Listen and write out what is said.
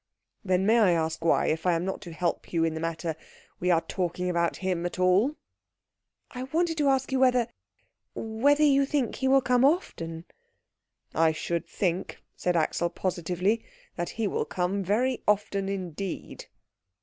"Then may I ask why, if I am not to help you in the matter, we are talking about him at all?" "I wanted to ask you whether whether you think he will come often." "I should think," said Axel positively, "that he will come very often indeed."